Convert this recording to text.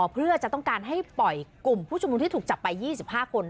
เพื่อจะต้องการให้ปล่อยกลุ่มผู้ชุมนุมที่ถูกจับไป๒๕คน